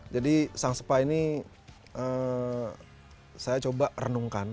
jadi sang spa ini saya coba renungkan